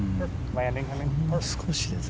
ほんの少しです。